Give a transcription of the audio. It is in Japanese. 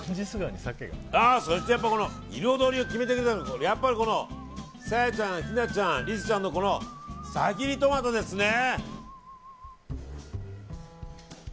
そして、この彩りを決めてくれるやっぱりこの、さやちゃんひなちゃん、りせちゃんのさひりトマトですね。